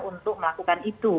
untuk melakukan itu